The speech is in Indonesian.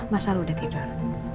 mas sal udah tidur